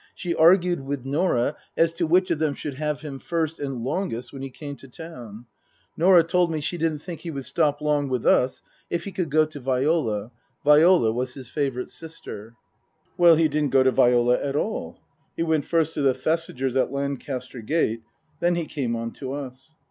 She argued with Norah as to which of them should have him first and longest when he came to town. Norah told me she didn't think he would stop long with us if he could go to Viola. Viola was his favourite sister. Well, he didn't go to Viola at all. He went first to the Thesigers at Lancaster Gate. Then he came on to us.